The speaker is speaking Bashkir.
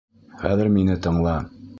Хәҙер мине тыңла!